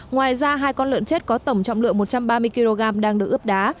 ngoài ra hai con lợn chết có tổng trọng lượng một trăm ba mươi kg đang được ướp đá